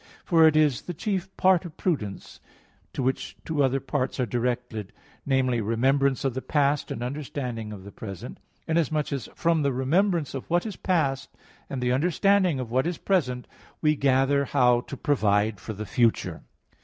For it is the chief part of prudence, to which two other parts are directed namely, remembrance of the past, and understanding of the present; inasmuch as from the remembrance of what is past and the understanding of what is present, we gather how to provide for the future.